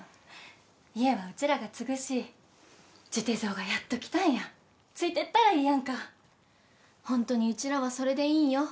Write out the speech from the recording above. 家はうちらが継ぐしジュテ蔵がやっと来たんやついてったらいいやんかうちらはそれでいいんよ